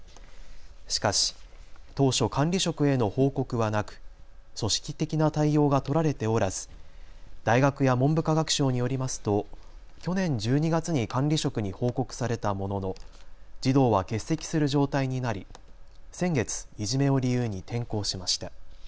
しかし当初管理職への報告はなく組織的な対応が取られておらず大学や文部科学省によりますと去年１２月に管理職に報告されたものの児童は欠席する状態になり、先月いじめを理由に転校しました。